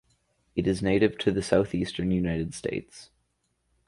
It is native to the Southeastern United States.